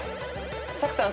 釈さん